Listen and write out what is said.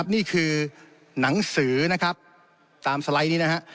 นี่คือหนังสือนะครับตามสไลด์นี้นะฮะ